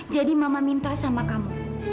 mama minta sama kamu